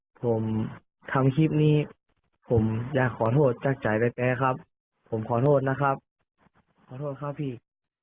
ผมทำคลิปนี้ผมอยากขอโทษจากใจแป๊ครับผมขอโทษนะครับขอโทษครับพี่